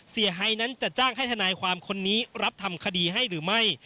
ไฮนั้นจะจ้างให้ทนายความคนนี้รับทำคดีให้หรือไม่